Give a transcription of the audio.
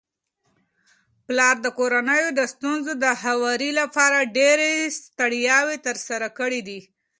پلار د کورنيو د ستونزو د هواري لپاره ډيري ستړياوي تر سره کړي دي